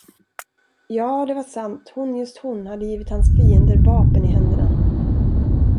Ja, det var sant, hon, just hon, hade givit hans fiender vapen i händerna.